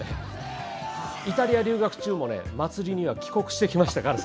イタリア留学中も祭りには帰国してきましたから。